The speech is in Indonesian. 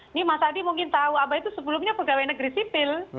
ini mas adi mungkin tahu abah itu sebelumnya pegawai negeri sipil